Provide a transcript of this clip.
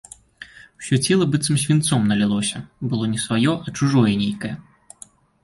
Усё цела быццам свінцом налілося, было не сваё, а чужое нейкае.